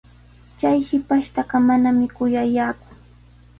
Chay shipashtaqa manami kuyallaaku.